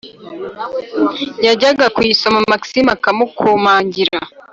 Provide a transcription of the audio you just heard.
yajya kuyisoma maxime akamukomangira,